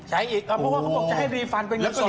อีกเพราะว่าเขาบอกจะให้รีฟันเป็นเงินสด